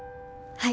はい。